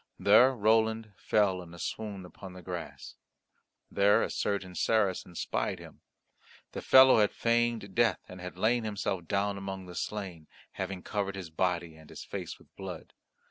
There Roland fell in a swoon upon the grass. There a certain Saracen spied him. The fellow had feigned death, and had laid himself down among the slain, having covered his body and his face with blood.